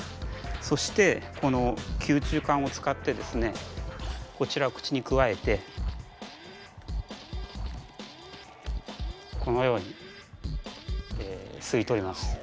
そしてこの吸虫管を使ってですねこちら口にくわえてこのように吸い取ります。